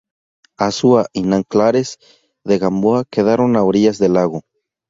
Azúa y Nanclares de Gamboa quedaron a orillas del lago.